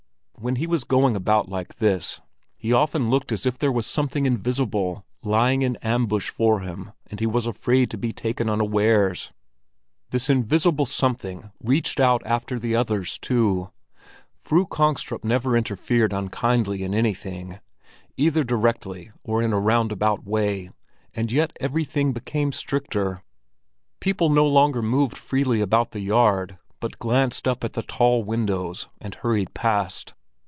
When he was going about like this, he often looked as if there was something invisible lying in ambush for him and he was afraid of being taken unawares. This invisible something reached out after the others, too. Fru Kongstrup never interfered unkindly in anything, either directly or in a roundabout way; and yet everything became stricter. People no longer moved freely about the yard, but glanced up at the tall windows and hurried past.